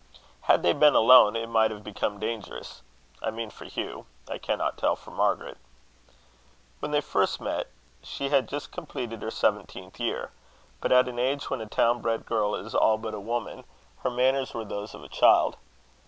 Had they been alone it might have become dangerous I mean for Hugh; I cannot tell for Margaret. When they first met, she had just completed her seventeenth year; but, at an age when a town bred girl is all but a woman, her manners were those of a child.